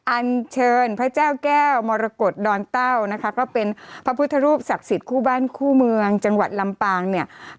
อันเชิญพระเจ้าแก้วมรกฏดอนเต้านะคะก็เป็นพระพุทธรูปศักดิ์สิทธิ์คู่บ้านคู่เมืองจังหวัดลำปางเนี่ย